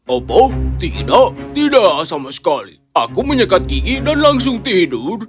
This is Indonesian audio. opo tidak tidak sama sekali aku menyekat gigi dan langsung tidur